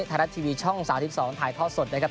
ไทยรัฐทีวีช่องสาวที่๒ถ่ายเพราะสดนะครับ